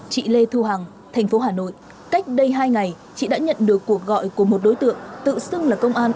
chị lê thu hằng thành phố hà nội cách đây hai ngày chị đã nhận được cuộc gọi của một đối tượng tự xưng là công an